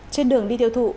trên đường đi tiêu thụ